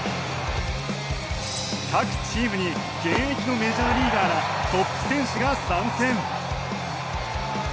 各チームに現役のメジャーリーガーらトップ選手が参戦。